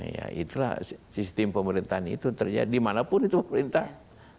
ya itulah sistem pemerintahan itu terjadi dimanapun itu pemerintahan